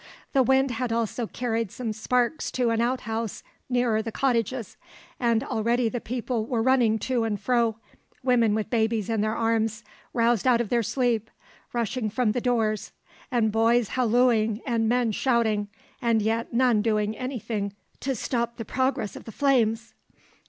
The wind had also carried some sparks to an outhouse nearer the cottages, and already the people were running to and fro; women with babies in their arms, roused out of their sleep, rushing from the doors, and boys hallooing and men shouting, and yet none doing any thing to stop the progress of the flames.